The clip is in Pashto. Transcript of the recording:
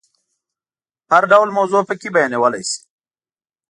هر ډول موضوع پکې بیانولای شي.